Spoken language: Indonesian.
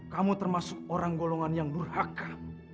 kamu termasuk orang golongan yang durhaka